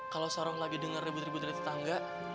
kalo saro lagi denger ribut ribut dari tetangga